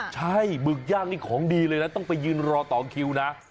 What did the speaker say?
ใช่หมึกย่างนี่ของดีเลยนะต้องไปยืนรอต่อคิวนะ